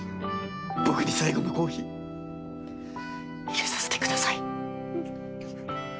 僕に最後のコーヒー入れさせてください